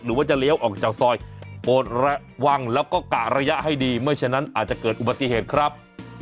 หรือว่าจะเลี้ยวออกจากซอยโปรดระวังแล้วก็กะระยะให้ดีไม่ฉะนั้นอาจจะเกิดอุบัติเหตุครับ